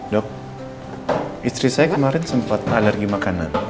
dok istri saya kemarin sempat alergi makanan